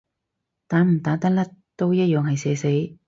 打唔打得甩都一樣係社死